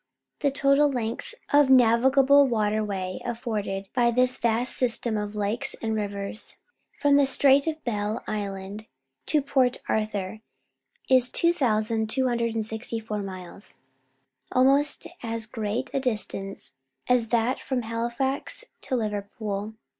The total length of navigable waterway afforded by this vast system of lakes and rivers, from the Strait of Belle Isle to Port Arthur, is 2,264 miles — almost as great a distance as that from Halifax to Liverpool.